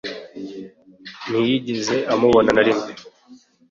ntiyigeze amubona narimwe